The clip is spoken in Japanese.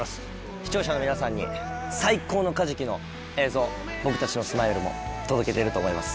視聴者の皆さんに、最高のカジキの映像と僕たちのスマイルも届けてると思います。